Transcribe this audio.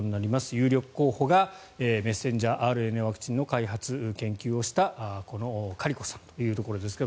有力候補がメッセンジャーＲＮＡワクチンの開発、研究をしたこのカリコさんというところですが